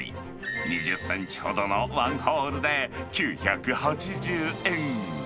２０センチほどのワンホールで９８０円。